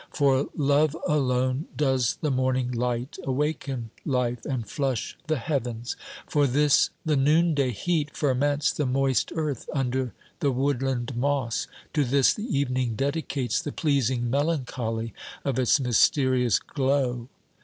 For Love alone does the morning light awaken life and flush the heavens ; for this the noonday heat ferments the moist 26o OBERMANN earth under the woodland moss ; to this the evening dedicates the pleasing melancholy of its mysterious glow.